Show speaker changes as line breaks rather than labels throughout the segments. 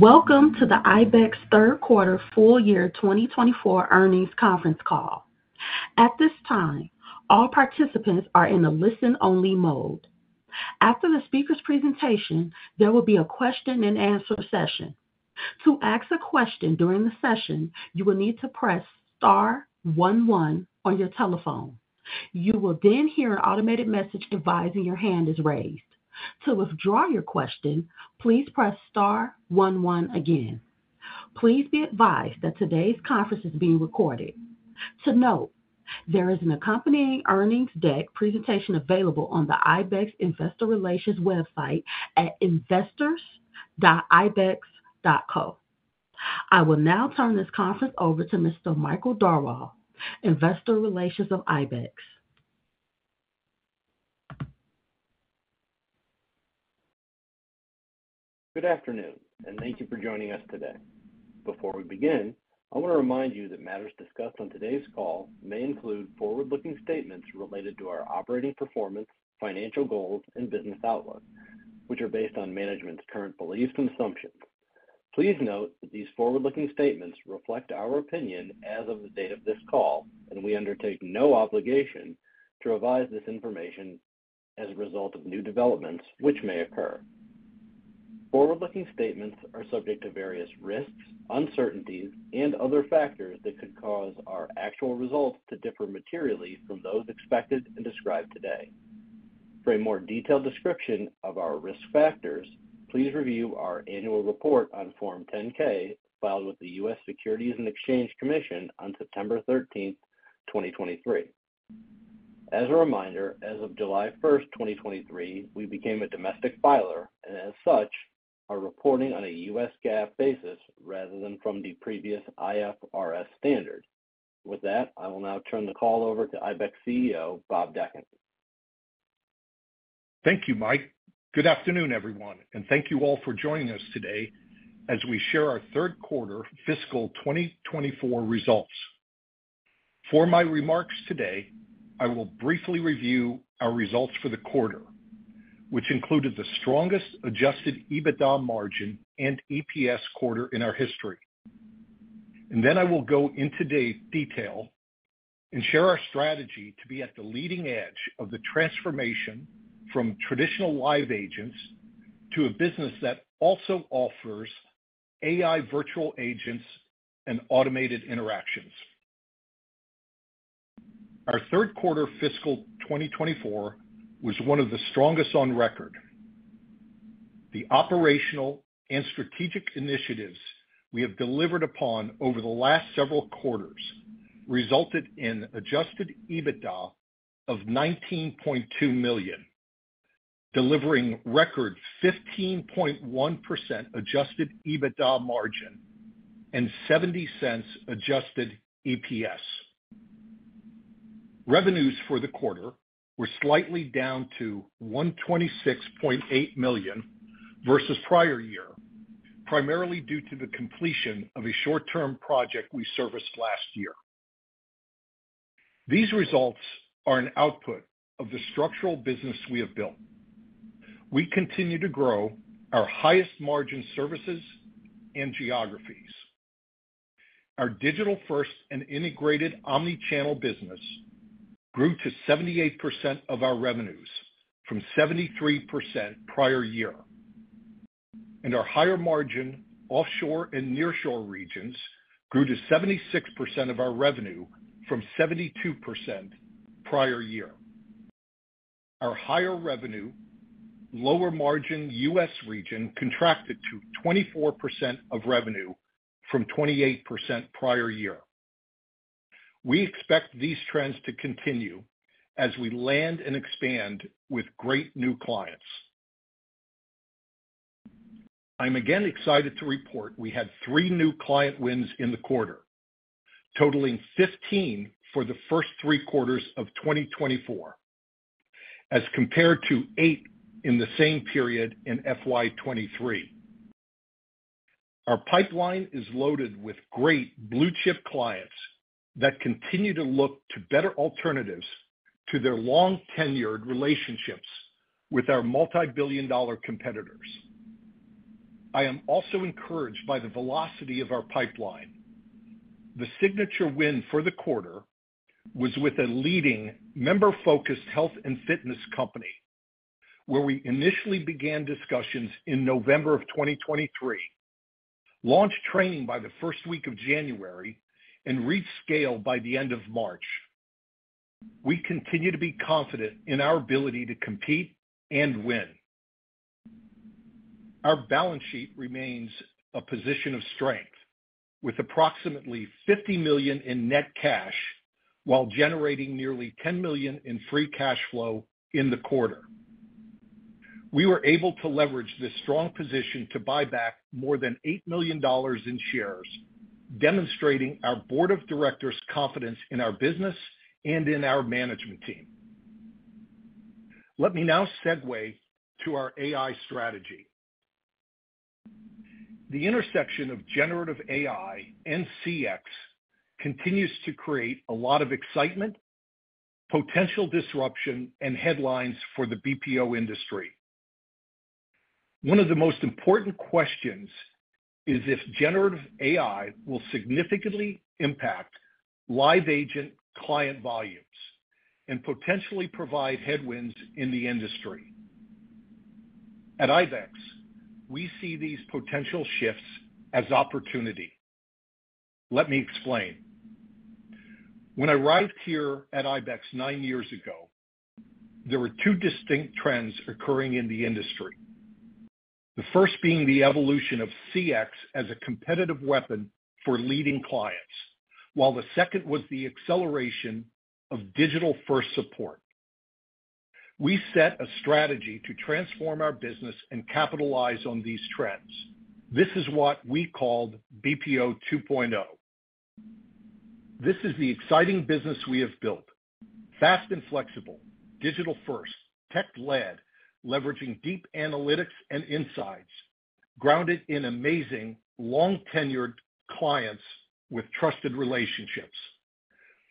Welcome to the ibex third quarter full year 2024 earnings conference call. At this time, all participants are in a listen-only mode. After the speaker's presentation, there will be a question and answer session. To ask a question during the session, you will need to press star one one on your telephone. You will then hear an automated message advising your hand is raised. To withdraw your question, please press star one one again. Please be advised that today's conference is being recorded. To note, there is an accompanying earnings deck presentation available on the ibex Investor Relations website at investors.ibex.co. I will now turn this conference over to Mr. Michael Darwal, Investor Relations of ibex.
Good afternoon, and thank you for joining us today. Before we begin, I want to remind you that matters discussed on today's call may include forward-looking statements related to our operating performance, financial goals, and business outlook, which are based on management's current beliefs and assumptions. Please note that these forward-looking statements reflect our opinion as of the date of this call, and we undertake no obligation to revise this information as a result of new developments which may occur. Forward-looking statements are subject to various risks, uncertainties, and other factors that could cause our actual results to differ materially from those expected and described today. For a more detailed description of our risk factors, please review our annual report on Form 10-K, filed with the U.S. Securities and Exchange Commission on September 13, 2023. As a reminder, as of July 1, 2023, we became a domestic filer and as such, are reporting on a US GAAP basis rather than from the previous IFRS standard. With that, I will now turn the call over to ibex CEO, Bob Dechant.
Thank you, Mike. Good afternoon, everyone, and thank you all for joining us today as we share our third quarter fiscal 2024 results. For my remarks today, I will briefly review our results for the quarter, which included the strongest adjusted EBITDA margin and EPS quarter in our history. And then I will go into detail and share our strategy to be at the leading edge of the transformation from traditional live agents to a business that also offers AI virtual agents and automated interactions. Our third quarter fiscal 2024 was one of the strongest on record. The operational and strategic initiatives we have delivered upon over the last several quarters resulted in adjusted EBITDA of $19.2 million, delivering record 15.1% adjusted EBITDA margin and $0.70 adjusted EPS. Revenues for the quarter were slightly down to $126.8 million versus prior year, primarily due to the completion of a short-term project we serviced last year. These results are an output of the structural business we have built. We continue to grow our highest margin services and geographies. Our digital first and integrated omni-channel business grew to 78% of our revenues from 73% prior year, and our higher margin offshore and nearshore regions grew to 76% of our revenue from 72% prior year. Our higher revenue, lower margin U.S. region contracted to 24% of revenue from 28% prior year. We expect these trends to continue as we land and expand with great new clients. I'm again excited to report we had 3 new client wins in the quarter, totaling 15 for the first three quarters of 2024, as compared to 8 in the same period in FY 2023. Our pipeline is loaded with great blue-chip clients that continue to look to better alternatives to their long-tenured relationships with our multibillion-dollar competitors. I am also encouraged by the velocity of our pipeline. The signature win for the quarter was with a leading member-focused health and fitness company, where we initially began discussions in November 2023, launched training by the first week of January, and reached scale by the end of March. We continue to be confident in our ability to compete and win. Our balance sheet remains a position of strength, with approximately $50 million in net cash, while generating nearly $10 million in free cash flow in the quarter. We were able to leverage this strong position to buy back more than $8 million in shares, demonstrating our board of directors' confidence in our business and in our management team. Let me now segue to our AI strategy. The intersection of generative AI and CX continues to create a lot of excitement, potential disruption and headlines for the BPO industry. One of the most important questions is if generative AI will significantly impact live agent client volumes and potentially provide headwinds in the industry. At ibex, we see these potential shifts as opportunity. Let me explain. When I arrived here at ibex nine years ago, there were two distinct trends occurring in the industry. The first being the evolution of CX as a competitive weapon for leading clients, while the second was the acceleration of digital-first support. We set a strategy to transform our business and capitalize on these trends. This is what we called BPO 2.0. This is the exciting business we have built. Fast and flexible, digital-first, tech-led, leveraging deep analytics and insights, grounded in amazing, long-tenured clients with trusted relationships,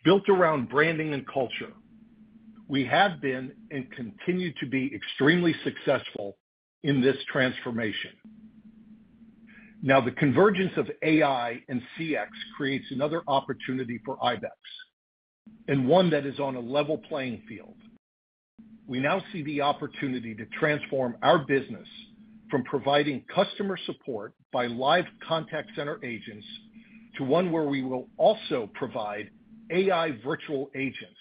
built around branding and culture. We have been, and continue to be, extremely successful in this transformation. Now, the convergence of AI and CX creates another opportunity for ibex, and one that is on a level playing field. We now see the opportunity to transform our business from providing customer support by live contact center agents, to one where we will also provide AI virtual agents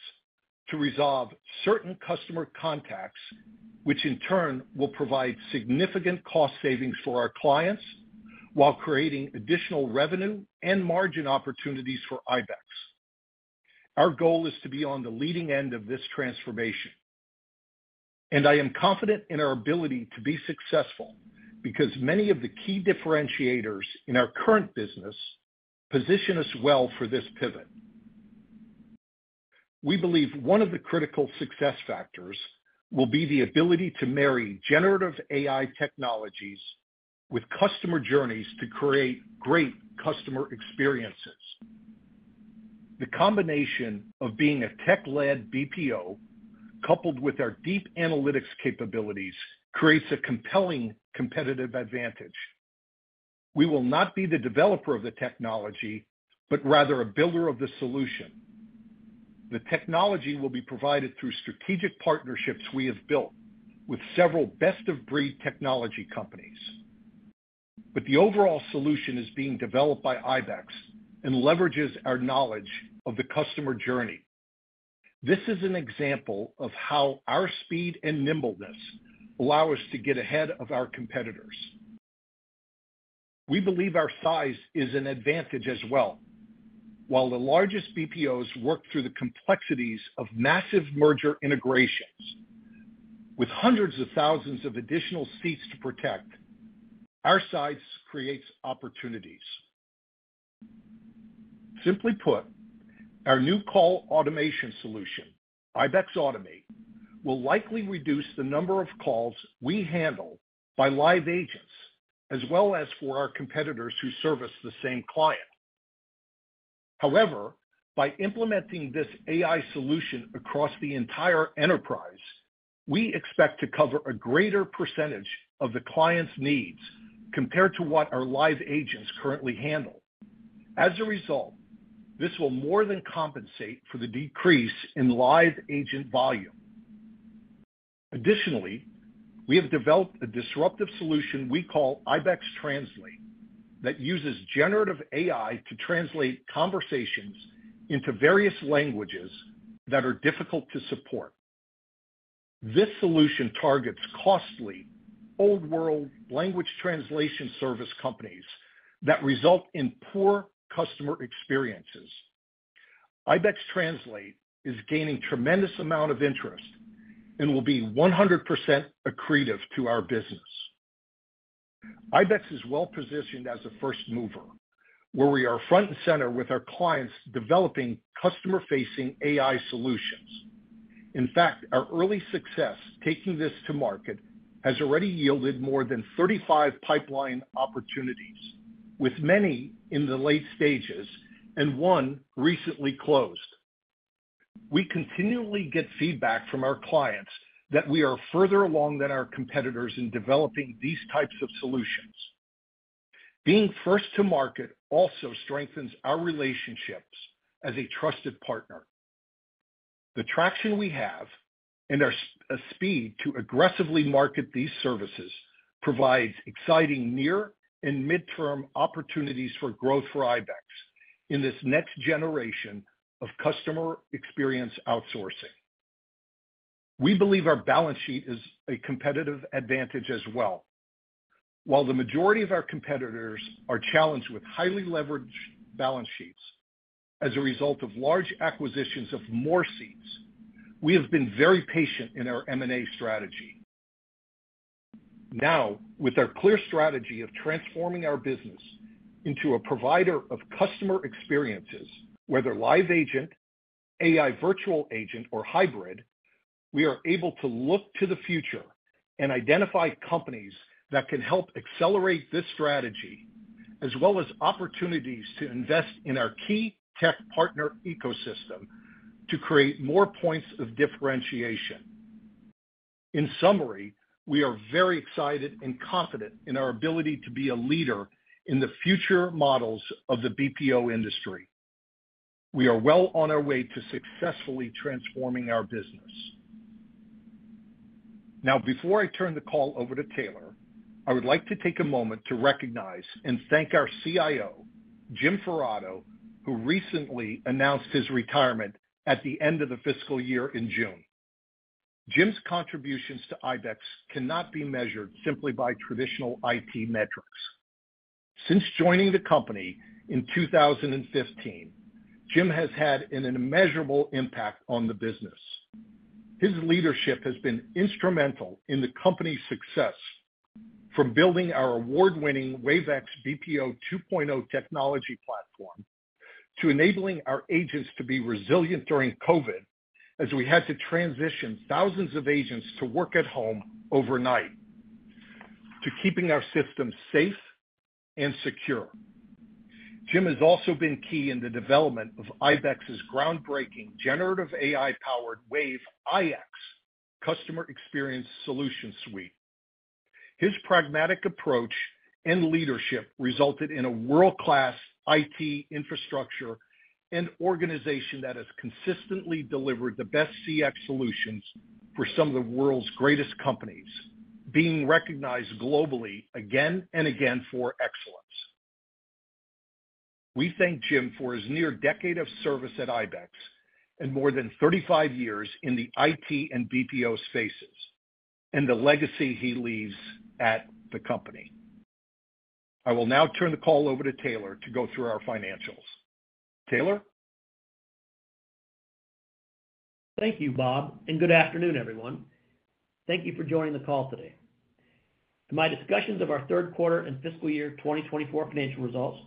to resolve certain customer contacts, which in turn will provide significant cost savings for our clients while creating additional revenue and margin opportunities for ibex. Our goal is to be on the leading end of this transformation, and I am confident in our ability to be successful because many of the key differentiators in our current business position us well for this pivot. We believe one of the critical success factors will be the ability to marry generative AI technologies with customer journeys to create great customer experiences. The combination of being a tech-led BPO, coupled with our deep analytics capabilities, creates a compelling competitive advantage. We will not be the developer of the technology, but rather a builder of the solution. The technology will be provided through strategic partnerships we have built with several best of breed technology companies, but the overall solution is being developed by ibex and leverages our knowledge of the customer journey. This is an example of how our speed and nimbleness allow us to get ahead of our competitors. We believe our size is an advantage as well. While the largest BPOs work through the complexities of massive merger integrations with hundreds of thousands of additional seats to protect, our size creates opportunities. Simply put, our new call automation solution, ibex Automate, will likely reduce the number of calls we handle by live agents, as well as for our competitors who service the same client. However, by implementing this AI solution across the entire enterprise, we expect to cover a greater percentage of the client's needs compared to what our live agents currently handle. As a result, this will more than compensate for the decrease in live agent volume. Additionally, we have developed a disruptive solution we call ibex Translate, that uses generative AI to translate conversations into various languages that are difficult to support. This solution targets costly, old world language translation service companies that result in poor customer experiences. ibex Translate is gaining tremendous amount of interest and will be 100% accretive to our business. ibex is well positioned as a first mover, where we are front and center with our clients, developing customer-facing AI solutions. In fact, our early success taking this to market has already yielded more than 35 pipeline opportunities, with many in the late stages and one recently closed. We continually get feedback from our clients that we are further along than our competitors in developing these types of solutions. Being first to market also strengthens our relationships as a trusted partner. The traction we have and our speed to aggressively market these services provides exciting near and midterm opportunities for growth for ibex in this next generation of customer experience outsourcing. We believe our balance sheet is a competitive advantage as well. While the majority of our competitors are challenged with highly leveraged balance sheets as a result of large acquisitions of more seats, we have been very patient in our M&A strategy. Now, with our clear strategy of transforming our business into a provider of customer experiences, whether live agent, AI virtual agent, or hybrid... we are able to look to the future and identify companies that can help accelerate this strategy, as well as opportunities to invest in our key tech partner ecosystem to create more points of differentiation. In summary, we are very excited and confident in our ability to be a leader in the future models of the BPO industry. We are well on our way to successfully transforming our business. Now, before I turn the call over to Taylor, I would like to take a moment to recognize and thank our CIO, Jim Ferrato, who recently announced his retirement at the end of the fiscal year in June. Jim's contributions to ibex cannot be measured simply by traditional IT metrics. Since joining the company in 2015, Jim has had an immeasurable impact on the business. His leadership has been instrumental in the company's success, from building our award-winning Wave X BPO 2.0 technology platform, to enabling our agents to be resilient during COVID, as we had to transition thousands of agents to work at home overnight, to keeping our systems safe and secure. Jim has also been key in the development of ibex's groundbreaking generative AI-powered Wave iX customer experience solution suite. His pragmatic approach and leadership resulted in a world-class IT infrastructure and organization that has consistently delivered the best CX solutions for some of the world's greatest companies, being recognized globally again and again for excellence. We thank Jim for his near decade of service at ibex and more than 35 years in the IT and BPO spaces, and the legacy he leaves at the company. I will now turn the call over to Taylor to go through our financials. Taylor?
Thank you, Bob, and good afternoon, everyone. Thank you for joining the call today. In my discussions of our third quarter and fiscal year 2024 financial results,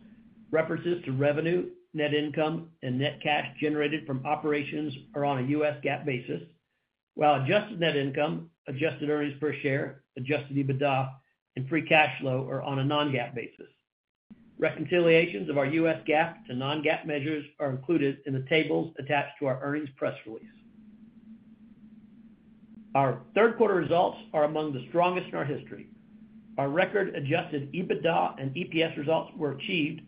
references to revenue, net income, and net cash generated from operations are on a U.S. GAAP basis, while adjusted net income, adjusted earnings per share, adjusted EBITDA, and free cash flow are on a non-GAAP basis. Reconciliations of our U.S. GAAP to non-GAAP measures are included in the tables attached to our earnings press release. Our third quarter results are among the strongest in our history. Our record adjusted EBITDA and EPS results were achieved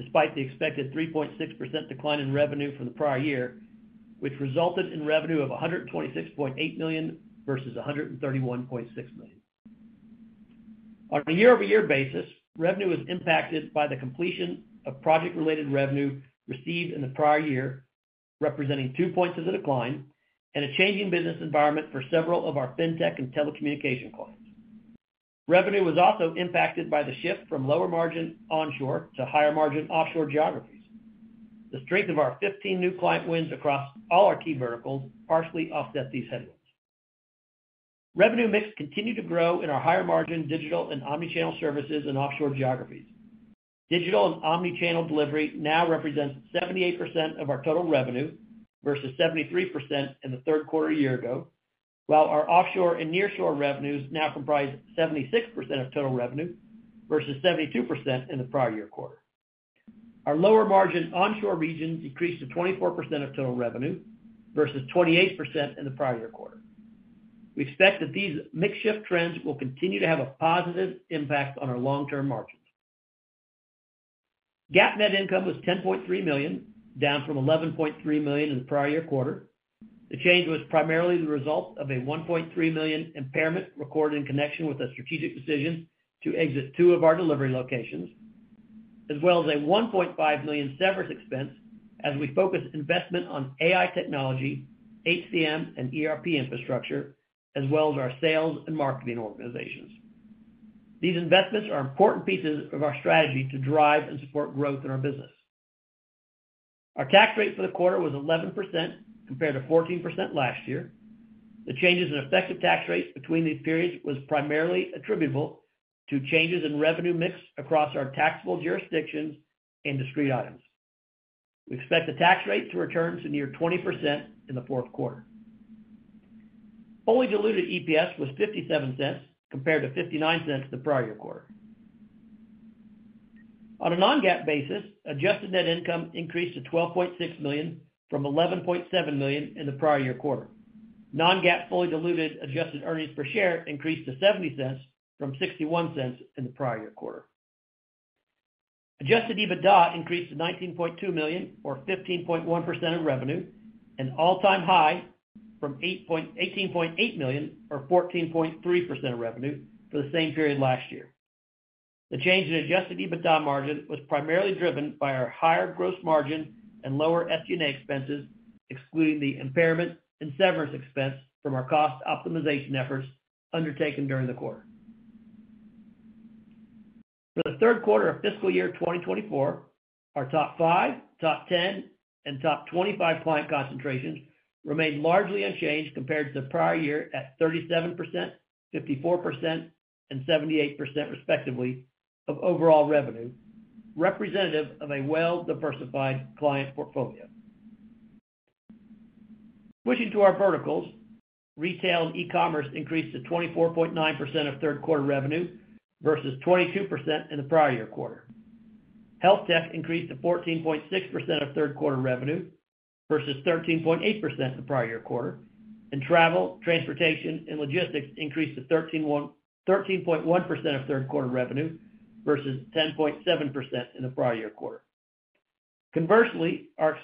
despite the expected 3.6% decline in revenue from the prior year, which resulted in revenue of $126.8 million versus $131.6 million. On a year-over-year basis, revenue was impacted by the completion of project-related revenue received in the prior year, representing 2 points of the decline and a changing business environment for several of our fintech and telecommunication clients. Revenue was also impacted by the shift from lower margin onshore to higher margin offshore geographies. The strength of our 15 new client wins across all our key verticals partially offset these headwinds. Revenue mix continued to grow in our higher margin digital and omni-channel services and offshore geographies. Digital and omni-channel delivery now represents 78% of our total revenue, versus 73% in the third quarter a year ago, while our offshore and nearshore revenues now comprise 76% of total revenue, versus 72% in the prior year quarter. Our lower margin onshore regions decreased to 24% of total revenue, versus 28% in the prior year quarter. We expect that these mix shift trends will continue to have a positive impact on our long-term margins. GAAP net income was $10.3 million, down from $11.3 million in the prior year quarter. The change was primarily the result of a $1.3 million impairment recorded in connection with a strategic decision to exit two of our delivery locations, as well as a $1.5 million severance expense as we focus investment on AI technology, HCM, and ERP infrastructure, as well as our sales and marketing organizations. These investments are important pieces of our strategy to drive and support growth in our business. Our tax rate for the quarter was 11% compared to 14% last year. The changes in effective tax rates between these periods was primarily attributable to changes in revenue mix across our taxable jurisdictions and discrete items. We expect the tax rate to return to near 20% in the fourth quarter. Fully diluted EPS was $0.57 compared to $0.59 the prior year quarter. On a non-GAAP basis, adjusted net income increased to $12.6 million from $11.7 million in the prior year quarter. Non-GAAP fully diluted adjusted earnings per share increased to $0.70 from $0.61 in the prior year quarter. Adjusted EBITDA increased to $19.2 million or 15.1% of revenue, an all-time high from $18.8 million or 14.3% of revenue for the same period last year. The change in adjusted EBITDA margin was primarily driven by our higher gross margin and lower SG&A expenses, excluding the impairment and severance expense from our cost optimization efforts undertaken during the quarter. For the third quarter of fiscal year 2024, our top 5, top 10, and top 25 client concentrations remained largely unchanged compared to the prior year at 37%, 54%, and 78%, respectively, of overall revenue, representative of a well-diversified client portfolio. Switching to our verticals, retail and e-commerce increased to 24.9% of third quarter revenue, versus 22% in the prior year quarter. Health tech increased to 14.6% of third quarter revenue, versus 13.8% the prior year quarter. And travel, transportation, and logistics increased to 13.1% of third quarter revenue, versus 10.7% in the prior year quarter. Conversely, our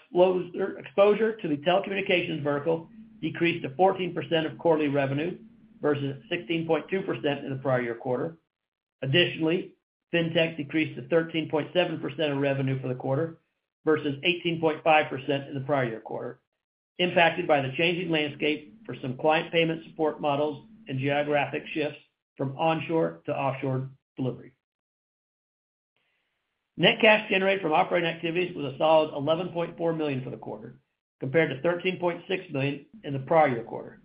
exposure to the telecommunications vertical decreased to 14% of quarterly revenue, versus 16.2% in the prior year quarter. Additionally, Fintech decreased to 13.7% of revenue for the quarter, versus 18.5% in the prior year quarter, impacted by the changing landscape for some client payment support models and geographic shifts from onshore to offshore delivery. Net cash generated from operating activities was a solid $11.4 million for the quarter, compared to $13.6 million in the prior year quarter.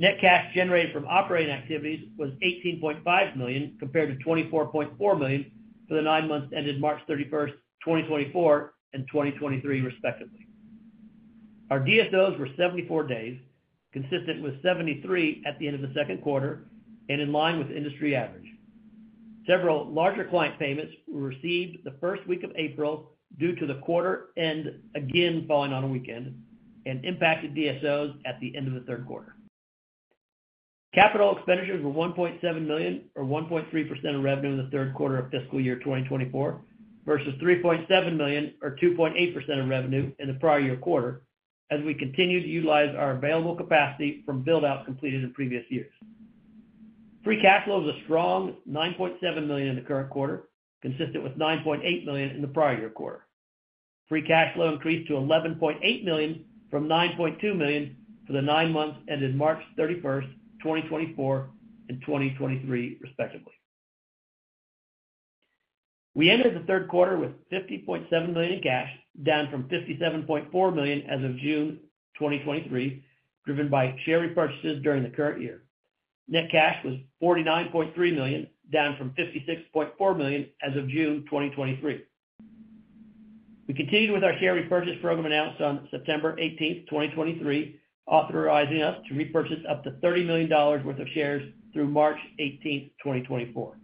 Net cash generated from operating activities was $18.5 million, compared to $24.4 million for the nine months ended March 31, 2024 and 2023 respectively. Our DSOs were 74 days, consistent with 73 at the end of the second quarter, and in line with industry average. Several larger client payments were received the first week of April due to the quarter end again falling on a weekend, and impacted DSOs at the end of the third quarter. Capital expenditures were $1.7 million, or 1.3% of revenue in the third quarter of fiscal year 2024, versus $3.7 million or 2.8% of revenue in the prior year quarter, as we continue to utilize our available capacity from build-outs completed in previous years. Free cash flow is a strong $9.7 million in the current quarter, consistent with $9.8 million in the prior year quarter. Free cash flow increased to $11.8 million from $9.2 million for the nine months ended March 31, 2024 and 2023 respectively. We ended the third quarter with $50.7 million in cash, down from $57.4 million as of June 2023, driven by share repurchases during the current year. Net cash was $49.3 million, down from $56.4 million as of June 2023. We continued with our share repurchase program announced on September 18, 2023, authorizing us to repurchase up to $30 million worth of shares through March 18, 2024.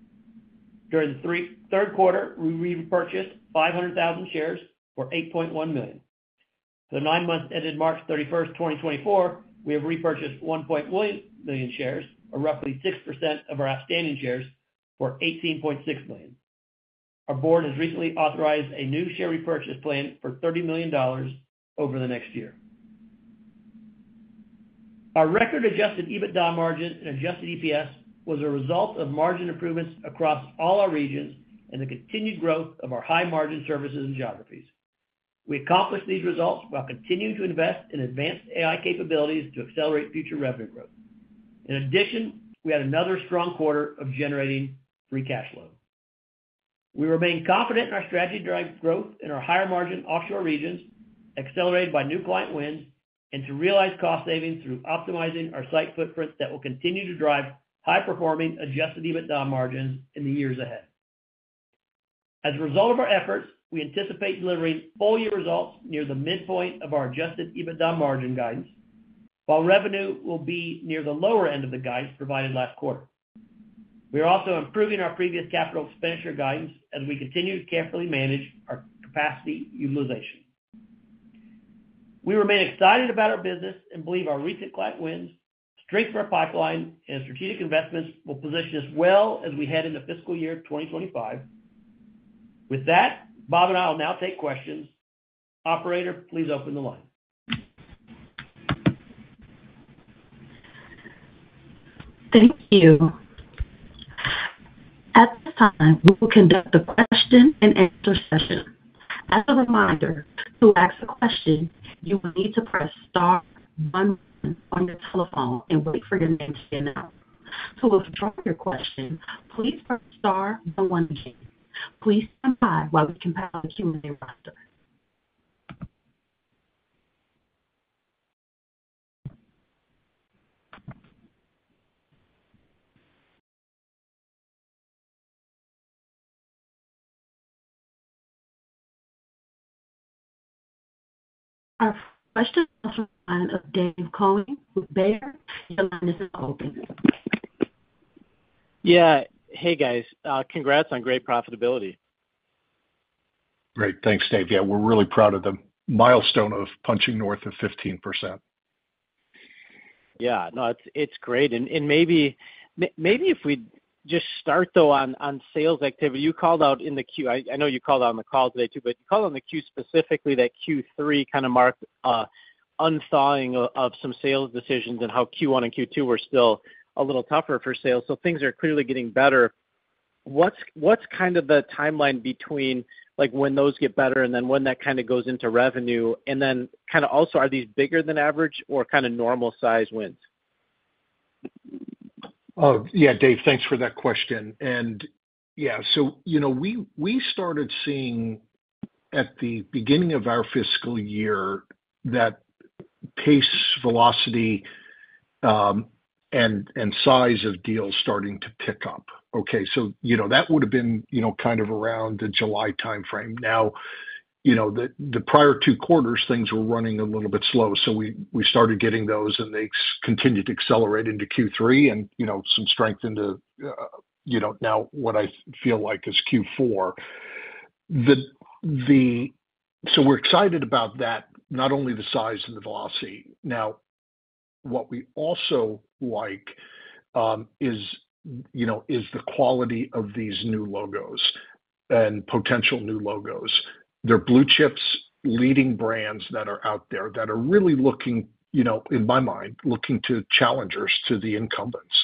During the third quarter, we repurchased 500,000 shares for $8.1 million. The nine months ended March 31, 2024, we have repurchased 1.1 million shares, or roughly 6% of our outstanding shares, for $18.6 million. Our board has recently authorized a new share repurchase plan for $30 million over the next year. Our record Adjusted EBITDA margin and Adjusted EPS was a result of margin improvements across all our regions and the continued growth of our high-margin services and geographies. We accomplished these results while continuing to invest in advanced AI capabilities to accelerate future revenue growth. In addition, we had another strong quarter of generating free cash flow. We remain confident in our strategy-derived growth in our higher-margin offshore regions, accelerated by new client wins, and to realize cost savings through optimizing our site footprint that will continue to drive high-performing Adjusted EBITDA margins in the years ahead. As a result of our efforts, we anticipate delivering full-year results near the midpoint of our Adjusted EBITDA margin guidance, while revenue will be near the lower end of the guidance provided last quarter. We are also improving our previous capital expenditure guidance as we continue to carefully manage our capacity utilization. We remain excited about our business and believe our recent client wins, strength of our pipeline, and strategic investments will position us well as we head into fiscal year 2025. With that, Bob and I will now take questions. Operator, please open the line.
Thank you. At this time, we will conduct a question and answer session. As a reminder, to ask a question, you will need to press star one on your telephone and wait for your name to be announced. To withdraw your question, please press star then one again. Please stand by while we compile the human roster. Our first question is from the line of Dave Koning with Baird. Your line is now open.
Yeah. Hey, guys, congrats on great profitability.
Great. Thanks, Dave. Yeah, we're really proud of the milestone of punching north of 15%.
Yeah. No, it's great. And maybe if we just start, though, on sales activity, you called out in the Q. I know you called out on the call today, too, but you called out on the Q specifically that Q3 kind of marked an unthawing of some sales decisions and how Q1 and Q2 were still a little tougher for sales. So things are clearly getting better. What's kind of the timeline between, like, when those get better and then when that kind of goes into revenue? And then kind of also, are these bigger than average or kind of normal-sized wins?
Yeah, Dave, thanks for that question. Yeah, so you know, we started seeing at the beginning of our fiscal year that pace, velocity, and size of deals starting to pick up. Okay, so you know, that would have been, you know, kind of around the July time frame. Now, you know, the prior two quarters, things were running a little bit slow, so we started getting those, and they continued to accelerate into Q3 and, you know, some strength into, now what I feel like is Q4. So we're excited about that, not only the size and the velocity. Now, what we also like is, you know, the quality of these new logos and potential new logos. They're blue chips, leading brands that are out there that are really looking, you know, in my mind, looking to challengers to the incumbents.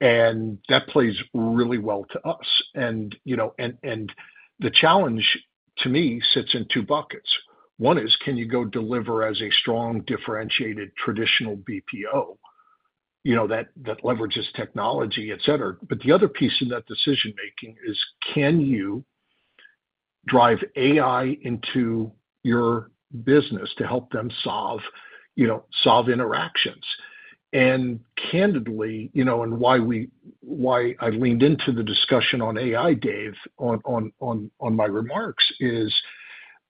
That plays really well to us. You know, the challenge to me sits in two buckets. One is, can you go deliver as a strong, differentiated, traditional BPO, you know, that, that leverages technology, et cetera? But the other piece in that decision-making is, can you drive AI into your business to help them solve, you know, solve interactions? Candidly, you know, why I leaned into the discussion on AI, Dave, on my remarks is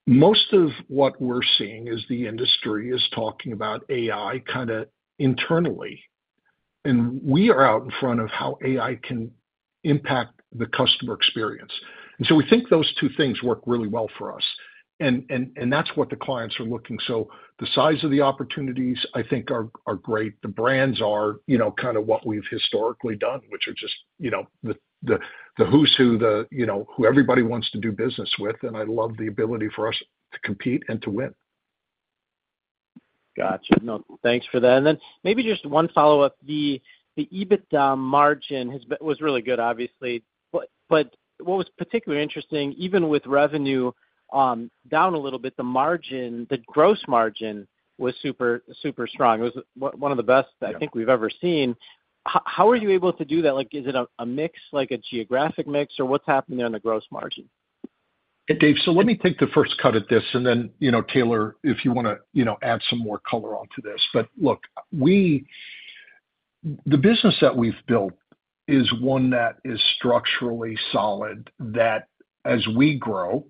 most of what we're seeing is the industry is talking about AI kinda internally, and we are out in front of how AI can impact the customer experience. And so we think those two things work really well for us, and that's what the clients are looking. So the size of the opportunities, I think, are great. The brands are, you know, kinda what we've historically done, which are just, you know, the who's who, the, you know, who everybody wants to do business with, and I love the ability for us to compete and to win.
Gotcha. No, thanks for that. Then maybe just one follow-up. The EBITDA margin has been... was really good, obviously. But what was particularly interesting, even with revenue down a little bit, the margin, the gross margin was super, super strong. It was one of the best-
Yeah...
I think we've ever seen. How are you able to do that? Like, is it a mix, like a geographic mix, or what's happening on the gross margin?
Dave, so let me take the first cut at this, and then, you know, Taylor, if you wanna, you know, add some more color onto this. But look, we, the business that we've built is one that is structurally solid, that as we grow,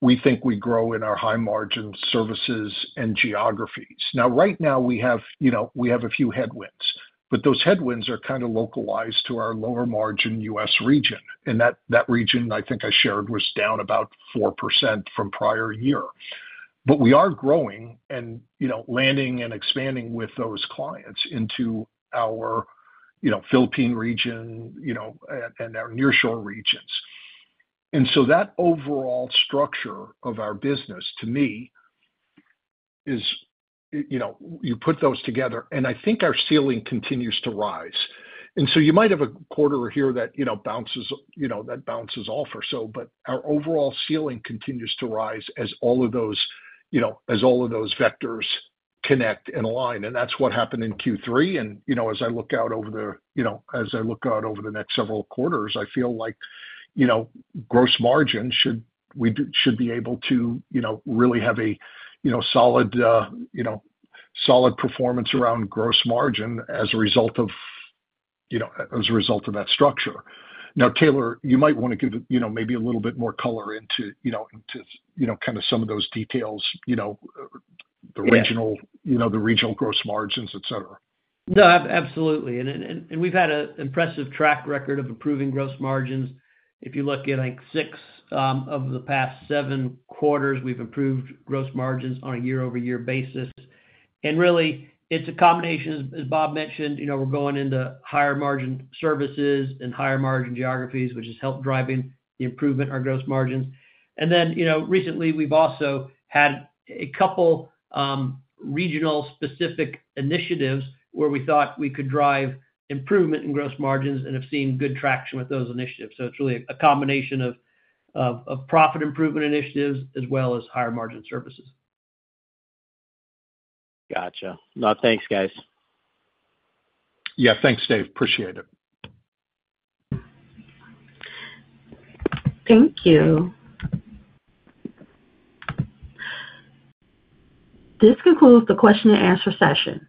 we think we grow in our high-margin services and geographies. Now, right now, we have, you know, we have a few headwinds, but those headwinds are kinda localized to our lower-margin U.S. region, and that, that region, I think I shared, was down about 4% from prior year. But we are growing and, you know, landing and expanding with those clients into our, you know, Philippine region, you know, and, and our nearshore regions. And so that overall structure of our business, to me, is, you know, you put those together, and I think our ceiling continues to rise. And so you might have a quarter here that, you know, bounces, you know, that bounces off or so, but our overall ceiling continues to rise as all of those, you know, as all of those vectors connect and align. And that's what happened in Q3, and, you know, as I look out over the, you know, as I look out over the next several quarters, I feel like, you know, gross margin should be able to, you know, really have a, you know, solid performance around gross margin as a result of, you know, as a result of that structure. Now, Taylor, you might wanna give, you know, maybe a little bit more color into, you know, into, you know, kinda some of those details, you know.
Yeah.
-the regional, you know, the regional gross margins, et cetera.
No, absolutely. We've had an impressive track record of improving gross margins. If you look at, like, six of the past seven quarters, we've improved gross margins on a year-over-year basis. Really, it's a combination, as Bob mentioned, you know, we're going into higher-margin services and higher-margin geographies, which has helped driving the improvement in our gross margins. Then, you know, recently, we've also had a couple regional specific initiatives where we thought we could drive improvement in gross margins and have seen good traction with those initiatives. So it's really a combination of profit improvement initiatives as well as higher-margin services.
Gotcha. No, thanks, guys.
Yeah, thanks, Dave. Appreciate it.
Thank you. This concludes the question and answer session.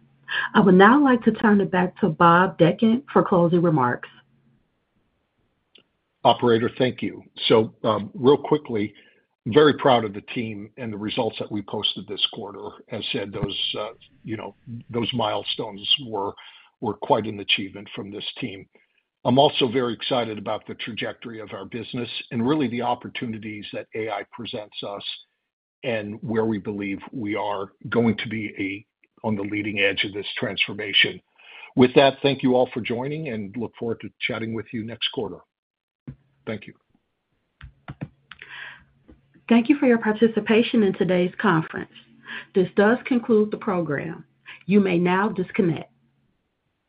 I would now like to turn it back to Bob Dechant for closing remarks.
Operator, thank you. So, real quickly, very proud of the team and the results that we posted this quarter. As said, those, you know, those milestones were quite an achievement from this team. I'm also very excited about the trajectory of our business and really the opportunities that AI presents us and where we believe we are going to be a... on the leading edge of this transformation. With that, thank you all for joining, and look forward to chatting with you next quarter. Thank you.
Thank you for your participation in today's conference. This does conclude the program. You may now disconnect.